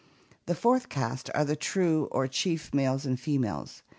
The fourth caste are the true or chief males and females.